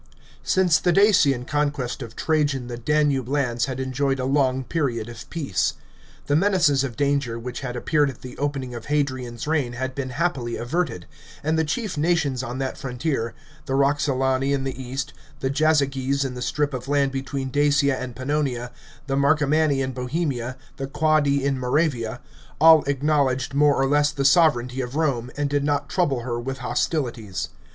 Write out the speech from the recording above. Since the Dacian conquest of Trajan the Danube lands had enjoyed a long period of peace. The menaces of danger which had appeared at the opening of Hadrian's reign had been happily averted ; and the chief nations on that frontier — the Roxolani in the east, the Jazyges in the strip of land between Dacia and Pannonia the Mar comanni in Bohemia, the Quadi in Moravia — all acknowledged more or less the sovranty of Rome, and did not trouble her with hostilities.